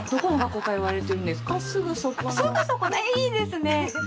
いいですね！